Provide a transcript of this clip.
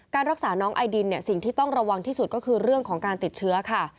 รักษาน้องไอดินเนี่ยสิ่งที่ต้องระวังที่สุดก็คือเรื่องของการติดเชื้อค่ะ